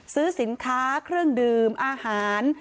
ซื้อสินค้าเครื่องดื่มอาหาร